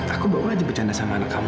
aku baru aja bercanda sama anak kamu